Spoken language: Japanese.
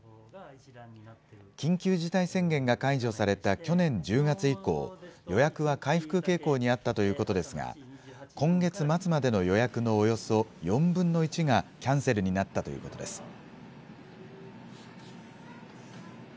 緊急事態宣言が解除された去年１０月以降、予約は回復傾向にあったということですが、今月末までの予約のおよそ４分の１がキャンセルになったということです。